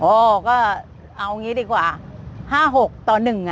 โอ้ก็เอางี้ดีกว่าห้าหกต่อหนึ่งอ่ะ